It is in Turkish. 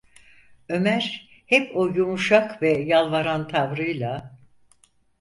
Ömer hep o yumuşak ve yalvaran tavrıyla: